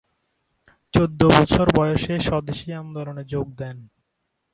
চোদ্দ বছর বয়সেই স্বদেশী আন্দোলনে যোগ দেন।